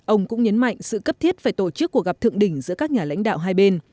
ông cũng nhấn mạnh sự cấp thiết về tổ chức cuộc gặp thượng đỉnh giữa các nhà lãnh đạo hai bên